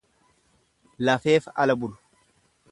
Lafeef ala bulu.